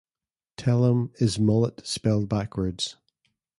"Tellum" is "mullet" spelled backwards.